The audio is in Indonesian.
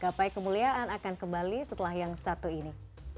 gapai kemuliaan akan kembali setelah yang satu ini